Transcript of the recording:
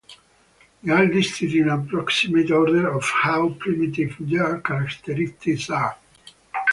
They are listed in approximate order of how primitive their characteristics are.